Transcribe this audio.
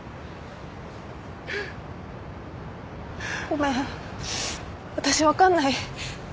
ごめん私分かんない。